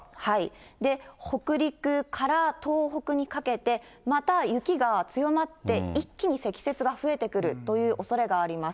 北陸から東北にかけて、また雪が強まって、一気に積雪が増えてくるというおそれがあります。